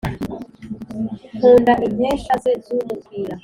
nkunda inkesha ze z’umukwira.